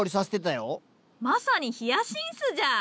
まさにヒアシンスじゃ。